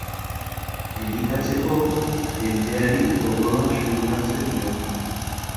Elikatzeko jendeari odola xurgatzen dio.